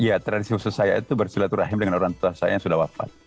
ya tradisi khusus saya itu bersilaturahim dengan orang tua saya yang sudah wafat